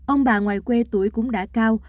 ông bà ngoài quê tuổi cũng đã cao